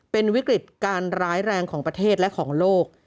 เป็นวิกฤติการร้ายแรงของประเทศและของโลก